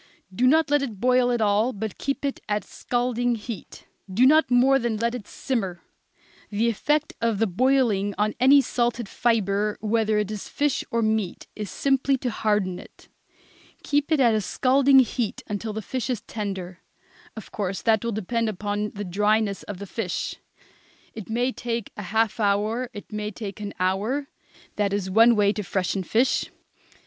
Do not let it boil at all, but keep it at a scalding heat. Do not more than let it simmer. The effect of the boiling on any salted fibre, whether it is fish or meat, is simply to harden it. Keep it at a scalding heat until the fish is tender. Of course that will depend upon the dryness of the fish. It may take a half hour, it may take an hour. That is one way to freshen fish.